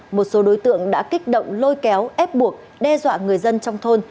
một số đối tượng đã kích động lôi kéo ép buộc đe dọa người dân trong thôn